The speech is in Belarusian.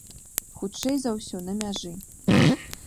Хутчэй за ўсё, на мяжы.